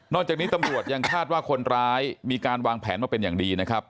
จากนี้ตำรวจยังคาดว่าคนร้ายมีการวางแผนมาเป็นอย่างดีนะครับ